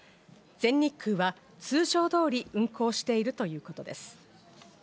全日空は通常通り運航しているということです。